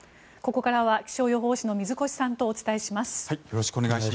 ここからは気象予報士の水越さんとお伝えします。